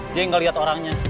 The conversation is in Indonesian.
jay gak liat orangnya